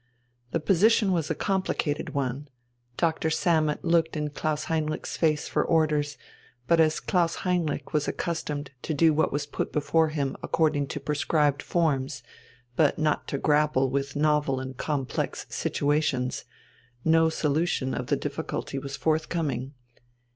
The position was a complicated one. Doctor Sammet looked in Klaus Heinrich's face for orders, but as Klaus Heinrich was accustomed to do what was put before him according to prescribed forms, but not to grapple with novel and complex situations, no solution of the difficulty was forthcoming.